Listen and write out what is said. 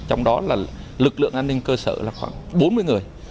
trong đó là lực lượng an ninh cơ sở là khoảng bốn mươi người